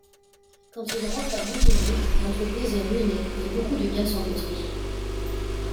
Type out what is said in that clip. Quand il rentre à Montigny, l'entreprise est ruinée et beaucoup de biens sont détruits.